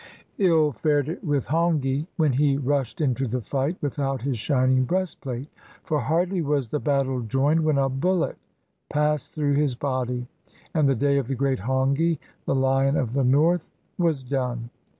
Ill fared it with Hongi when he rushed into the fight without his shining breastplate; for hardly was the battle joined when a bullet passed through his body, and the day of the great Hongi, the Lion of the North, was done.